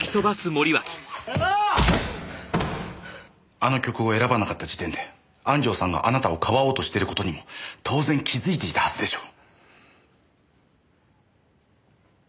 あの曲を選ばなかった時点で安城さんがあなたを庇おうとしてる事にも当然気づいていたはずでしょう！